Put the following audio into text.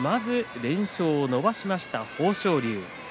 連勝を伸ばしました豊昇龍です。